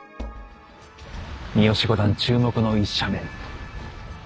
三好五段注目の１射目。